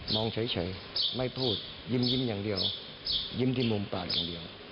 เฉยไม่พูดยิ้มอย่างเดียวยิ้มที่มุมปากอย่างเดียว